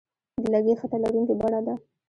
د لرګي خټه لرونکې بڼه ده.